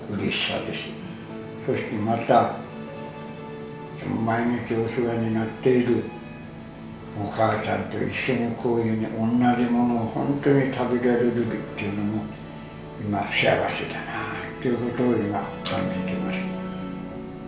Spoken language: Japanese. そしてまた毎日お世話になっているお母さんと一緒にこういうふうに同じものを本当に食べられるっていうのも幸せだなということを今感じています。